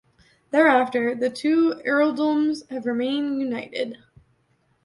Thereafter, the two earldoms have remained united.